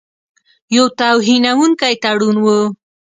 یو توهینونکی تړون وو.